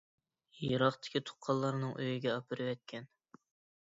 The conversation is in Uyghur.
يىراقتىكى تۇغقانلارنىڭ ئۆيىگە ئاپىرىۋەتكەن.